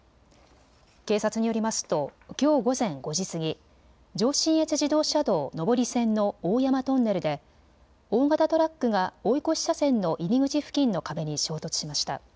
警察によりますときょう午前５時過ぎ上信越自動車道上り線の大山トンネルで大型トラックが追い越し車線の入り口付近の壁に衝突しました。